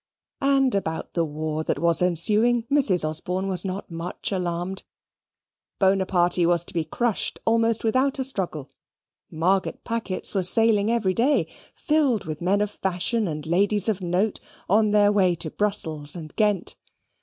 And about the war that was ensuing, Mrs. Osborne was not much alarmed; Bonaparty was to be crushed almost without a struggle. Margate packets were sailing every day, filled with men of fashion and ladies of note, on their way to Brussels and Ghent.